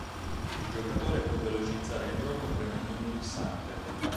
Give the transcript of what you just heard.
Il giocatore può velocizzare il gioco premendo un pulsante.